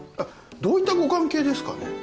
どういったご関係ですかね？